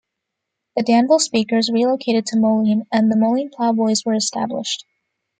The Danville Speakers relocated to Moline and theMoline Plowboys were established.